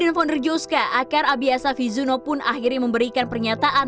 ceo dan founder juska aqar abiasa fizuno pun akhirnya memberikan pernyataan